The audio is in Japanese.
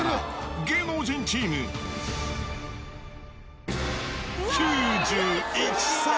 芸能人チーム９１皿。